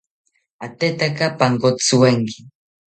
Atetaka pankotziwenki